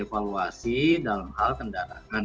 evaluasi dalam hal kendaraan